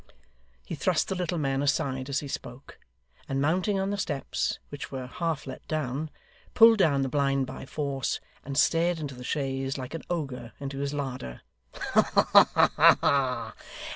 He thrust the little man aside as he spoke, and mounting on the steps, which were half let down, pulled down the blind by force, and stared into the chaise like an ogre into his larder. 'Ha ha ha!